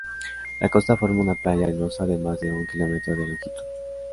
La costa forma una playa arenosa de más de un kilómetro de longitud.